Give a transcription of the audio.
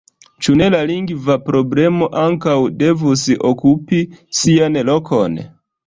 Ĉu ne la lingva problemo ankaŭ devus okupi sian lokon?